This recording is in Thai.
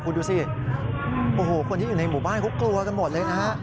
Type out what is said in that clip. คุณดูสิโอ้โหคนที่อยู่ในหมู่บ้านเขากลัวกันหมดเลยนะฮะ